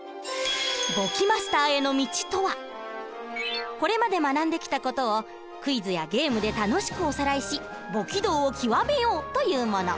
「簿記マスターへの道」とはこれまで学んできた事をクイズやゲームで楽しくおさらいし簿記道を極めようというもの。